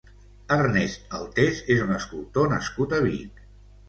Ernest Altés és un escultor nascut a Vic.